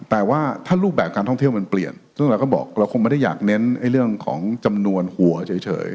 แต่ว่าถ้ารูปแบบการท่องเที่ยวมันเปลี่ยนซึ่งเราก็บอกเราคงไม่ได้อยากเน้นเรื่องของจำนวนหัวเฉย